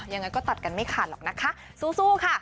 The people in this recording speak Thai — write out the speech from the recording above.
ยังไงก็ตัดกันไม่ขาดหรอกนะคะสู้ค่ะ